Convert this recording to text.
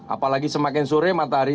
apalagi semakin sore matahari